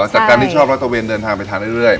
จากการที่ชอบรัตเวนเดินทางไปทานเรื่อย